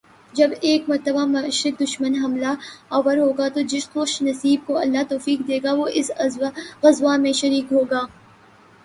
جب ایک مرتبہ مشرک دشمن حملہ آور ہو گا، تو جس خوش نصیب کو اللہ توفیق دے گا وہ اس غزوہ میں شریک ہوگا۔۔